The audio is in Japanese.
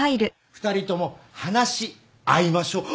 ２人とも話し合いましょう。